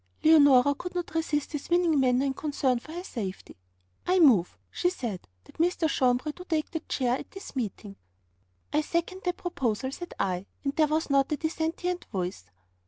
Leonora could not resist his winning manner and concern for her safety. 'I move,' she said, 'that Mr. Jambres do take the chair at this meeting.' 'I second that proposal,' said I, and there was not a dissentient voice.